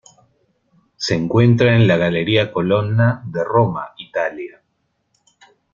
Se encuentra en la Galería Colonna de Roma, Italia.